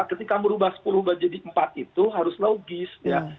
ketika merubah sepuluh menjadi empat itu harus logis ya